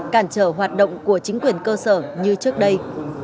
cản trở hoạt động của chính quyền cơ sở như trước đây